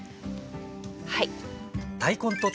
はい。